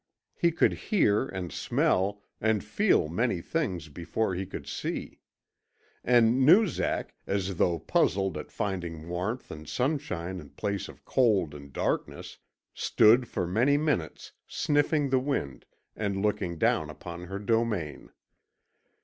He could hear and smell and feel many things before he could see. And Noozak, as though puzzled at finding warmth and sunshine in place of cold and darkness, stood for many minutes sniffing the wind and looking down upon her domain.